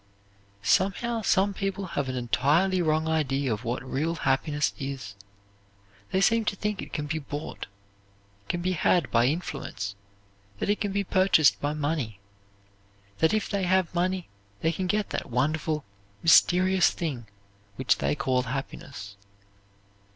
Somehow some people have an entirely wrong idea of what real happiness is. They seem to think it can be bought, can be had by influence, that it can be purchased by money; that if they have money they can get that wonderful, mysterious thing which they call happiness.